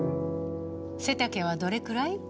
背丈はどれくらい？